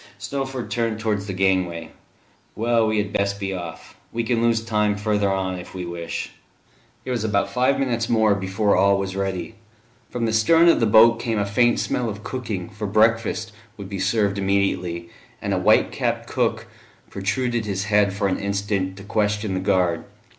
Snowford turned towards the gangway. "Well, we had best be off: we can lose time further on, if we wish." It was about five minutes more before all was ready. From the stern of the boat came a faint smell of cooking, for breakfast would be served immediately, and a white capped cook protruded his head for an instant, to question the guard.